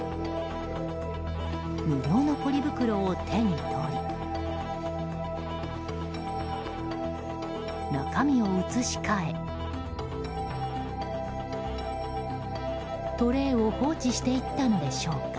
無料のポリ袋を手に取り中身を移し替え、トレーを放置していったのでしょうか。